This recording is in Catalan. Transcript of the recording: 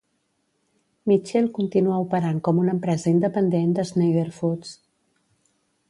Mitchell continua operant com una empresa independent de Schneider Foods.